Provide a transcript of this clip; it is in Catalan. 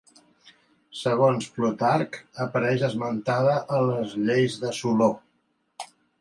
Segons Plutarc apareix esmentada a les lleis de Soló.